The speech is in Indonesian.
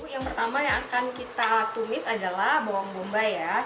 yang pertama yang akan kita tumis adalah bawang bombay ya